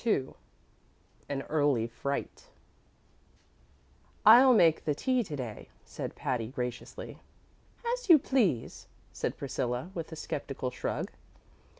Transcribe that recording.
II An Early Fright "I'll make the tea to day," said Patty, graciously. "As you please," said Priscilla, with a skeptical shrug.